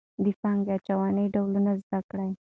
د پانګې اچونې ډولونه زده کړئ.